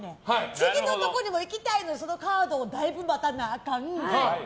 次のところにも行きたいのに、そのカードをだいぶ待たなあかん。